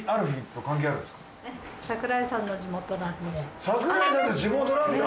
桜井さんの地元なんだ。